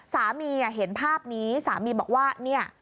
สามีเห็นภาพนี้สามีบอกว่าเนี่ย